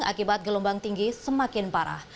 akibat gelombang tinggi semakin parah